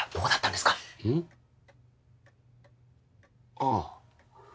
ああ。